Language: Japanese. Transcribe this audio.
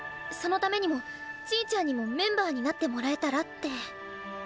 そのためにもちぃちゃんにもメンバーになってもらえたらって。